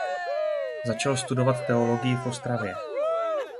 Začal studovat teologii v Ostravě.